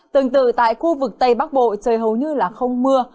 tương tự tại khu vực tây bắc bộ trời hầu như là không mưa